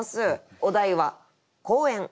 お題は「公園」。